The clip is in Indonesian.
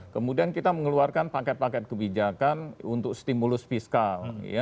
kemudian kita mengeluarkan paket paket kebijakan untuk stimulus fiskal